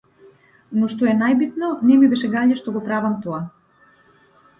Но што е најбитно, не ми беше гајле што го правам тоа.